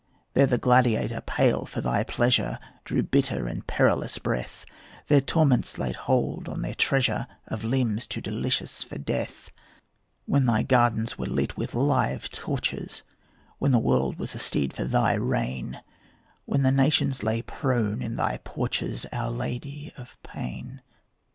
There the gladiator, pale for thy pleasure, Drew bitter and perilous breath; There torments laid hold on the treasure Of limbs too delicious for death; When thy gardens were lit with live torches; When the world was a steed for thy rein; When the nations lay prone in thy porches, Our Lady of Pain.